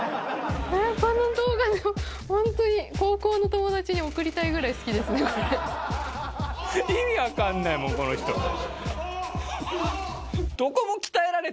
この動画、本当に、高校の友達に送りたいぐらい好きですね、これ。